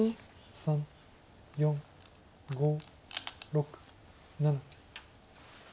３４５６７。